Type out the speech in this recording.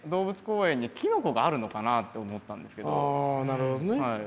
ああなるほどね。